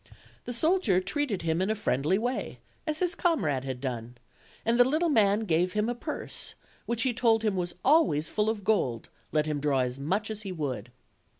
The soldier treated him in a friendly way, as his comrade had done, and the little man gave him a purse, which he told him was always full of gold, let him draw as much as he would.